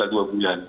setelah dua bulan